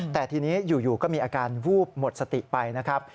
แต่ทีนี้อยู่ก็มีอาการวูบหมดสติไปนะครับ